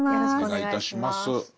お願いいたします。